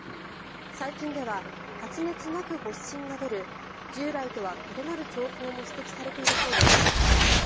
最近では発熱なく発疹が出る従来とは異なる兆候も指摘されているそうです。